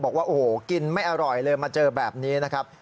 บอกว่าโอ้โหกินไม่อร่อยเลยมาเจอแบบนี้นะครับ